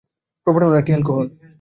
Propanol একটি alcohol.